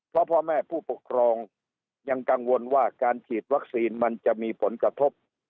เพราะพ่อแม่ผู้ปกครองยังกังวลว่าการฉีดวัคซีนมันจะมีผลกระทบ